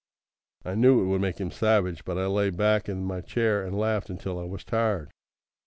I knew it would make him savage, but I lay back in my chair and laughed until I was tired.